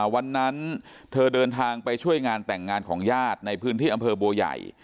วันนั้นเธอเดินทางไปช่วยงานแต่งงานของญาติในพื้นที่อำเภอบัวใหญ่